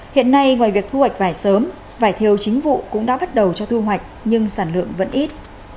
hiện nay ngoài việc thu hoạch vải sớm vải thiều chính vụ cũng đã bắt đầu cho thu hoạch nhưng sản lượng vẫn ít